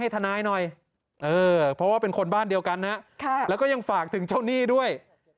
ถ้าอยากฝากถึงเจ้าหนี้ด้วย